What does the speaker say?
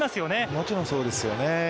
もちろんそうですよね。